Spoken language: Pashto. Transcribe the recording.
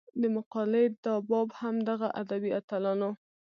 د مقالې دا باب هم دغه ادبي اتلانو